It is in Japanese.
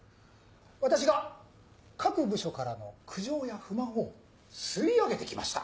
私が各部署からの苦情や不満を吸い上げて来ました。